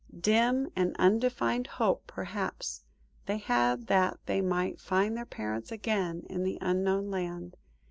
Dim and undefined hope, perhaps, they had that they might find their parents again in the Unknown Land.